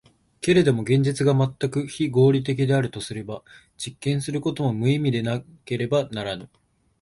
けれども現実が全く非合理的であるとすれば、実験することも無意味でなければならぬ。